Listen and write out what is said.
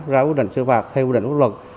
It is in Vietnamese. ra quyết định xử phạt theo quyết định quốc luật